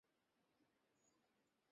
তবুও মন খারাপ করে আছিস কেন?